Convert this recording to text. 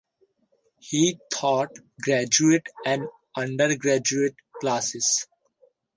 He taught graduate and undergraduate classes.